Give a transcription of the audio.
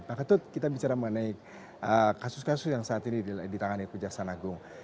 pak ketut kita bicara mengenai kasus kasus yang saat ini ditangani kejaksaan agung